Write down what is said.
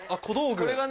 これがね